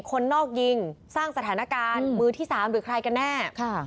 คนนอกยิงสร้างสถานการณ์มือที่๓หรือใครกันแน่